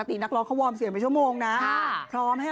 ที่จะมีการเรียกทำอย่างใจ